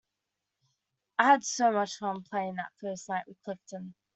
I had so much fun playing that first night with Clifton.